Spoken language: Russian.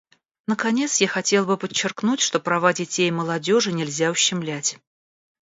Наконец, я хотела бы подчеркнуть, что права детей и молодежи нельзя ущемлять.